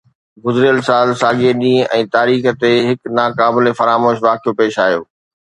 گذريل سال ساڳئي ڏينهن ۽ تاريخ تي هڪ ناقابل فراموش واقعو پيش آيو